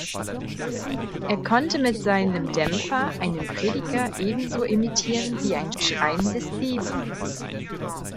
Er konnte mit seinem Dämpfer einen Prediger ebenso imitieren wie ein schreiendes Baby.